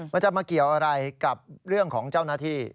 มันจะมาเกี่ยวอะไรกับเรื่องของเจ้าหน้าที่